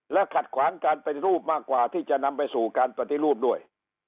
และขัดขวางการเป็นรูปมากกว่าที่จะนำไปสู่การปฏิรูปด้วย